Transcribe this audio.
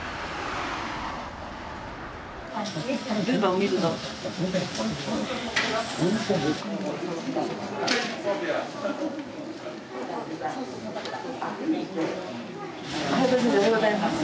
おはようございます。